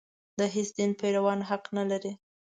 د هېڅ دین پیروان حق نه لري.